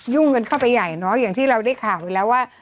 กันเข้าไปใหญ่เนอะอย่างที่เราได้ข่าวอยู่แล้วว่า